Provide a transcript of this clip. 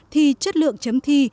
thi chất lượng chấm thi